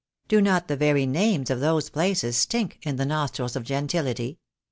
Do not the very names of those places stink in the nostrils of gentility?